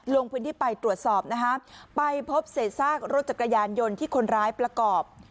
ลงพื้นที่ไปตรวจสอบนะฮะไปพบเศษซากรถจักรยานยนต์ที่คนร้ายประกอบ